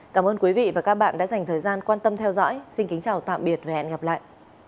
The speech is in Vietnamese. cảm ơn quý vị và các bạn đã dành thời gian quan tâm theo dõi xin kính chào tạm biệt và hẹn gặp lại